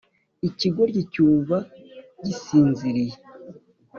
ikigoryi cyumva gisinziriye